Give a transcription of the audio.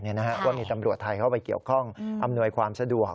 ว่ามีตำรวจไทยเข้าไปเกี่ยวข้องอำนวยความสะดวก